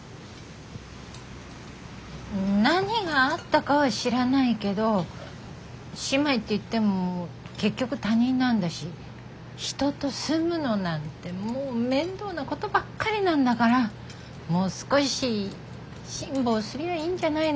何があったかは知らないけど姉妹っていっても結局他人なんだし人と住むのなんてもう面倒なことばっかりなんだからもう少し辛抱すりゃいいんじゃないの？